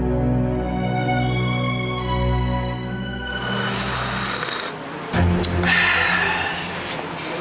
gue mau pergi ke rumah